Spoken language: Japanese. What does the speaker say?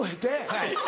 はい。